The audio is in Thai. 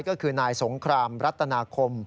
ก็คือนายสงครามรัตนาคม